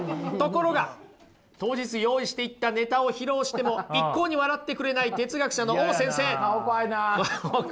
ところが当日用意していたネタを披露しても一向に笑ってくれない哲学者のＯ先生。